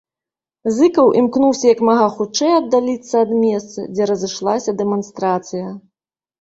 Зыкаў імкнуўся як мага хутчэй аддаліцца ад месца, дзе разышлася дэманстрацыя.